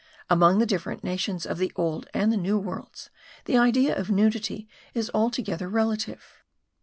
Among the different nations of the old and the new worlds, the idea of nudity is altogether relative.